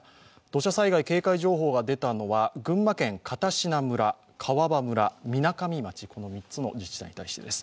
土砂災害警戒情報が出たのは群馬県片品村、川場村、みなかみ町の３つの自治体に対してです。